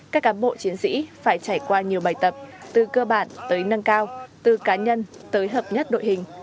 các cán bộ chiến sĩ phải trải qua nhiều bài tập từ cơ bản tới nâng cao từ cá nhân tới hợp nhất đội hình